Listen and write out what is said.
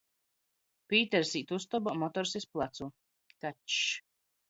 Pīters īt ustobā, motors iz placu. Kačs.